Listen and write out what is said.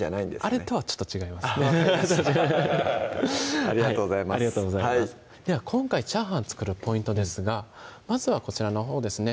あれとはちょっと違いますねありがとうございますでは今回チャーハンを作るポイントですがまずはこちらのほうですね